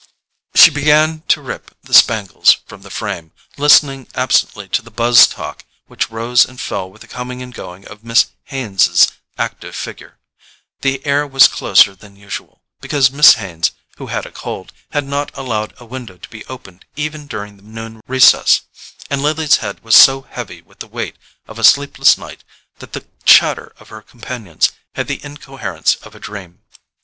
She began to rip the spangles from the frame, listening absently to the buzz of talk which rose and fell with the coming and going of Miss Haines's active figure. The air was closer than usual, because Miss Haines, who had a cold, had not allowed a window to be opened even during the noon recess; and Lily's head was so heavy with the weight of a sleepless night that the chatter of her companions had the incoherence of a dream.